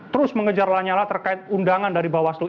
terus mengejar lanyala terkait undangan dari bawaslu